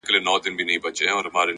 د فرهادي فکر څښتن تاته په تا وايي _